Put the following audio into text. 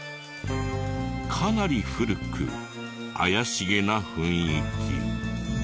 かなり古く怪しげな雰囲気。